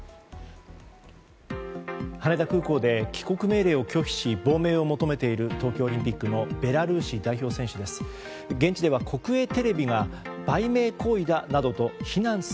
羽田空港で帰国命令を拒否し亡命を求めている東京オリンピックのベラルーシ代表選手です。